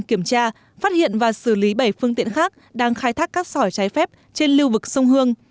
kiểm tra phát hiện và xử lý bảy phương tiện khác đang khai thác cát sỏi trái phép trên lưu vực sông hương